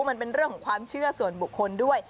มันเป็นเรื่องของความเชื่อส่วนบุคคลด้วย